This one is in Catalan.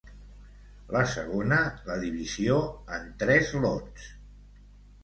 La segona, la divisió en tres lots.